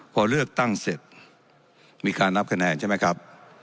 พอเลือกตั้งเสร็จมีการนับคะแนนใช่ไหมครับ